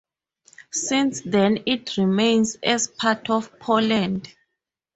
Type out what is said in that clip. Since then it remains as part of Poland.